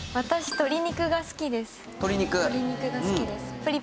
鶏肉が好きです。